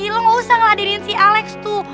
lo nggak usah ngeladinin si alex tuh